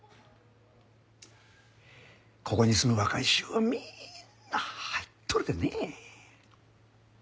ここに住む若い衆はみんな入っとるでねえ。